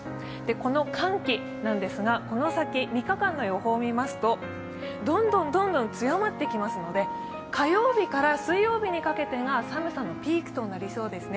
この寒気ですが、この先３日間の予報を見ますとどんどんどんどん強まってきますので火曜日から水曜日にかけてが寒さのピークとなりそうですね。